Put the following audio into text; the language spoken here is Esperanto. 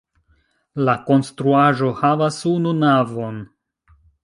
La konstruaĵo havas unu navon.